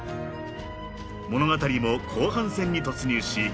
［物語も後半戦に突入します